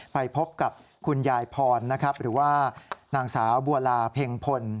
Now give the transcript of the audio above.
ไปพบกับคุณยายพรนะครับหรือว่านางสาวบัวลาเพ็งพล